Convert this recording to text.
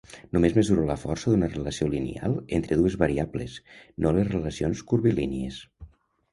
Només mesura la força d’una relació lineal entre dues variables, no les relacions curvilínies.